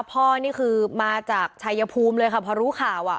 พ่อนี่คือมาจากชายภูมิเลยค่ะพอรู้ข่าวอ่ะ